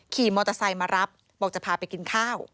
ขี่มอเตอร์ไซค์มารับบอกจะพาไปกินข้าว